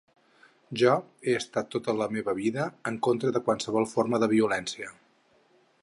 Jo he estat tota la meva vida en contra de qualsevol forma de violència.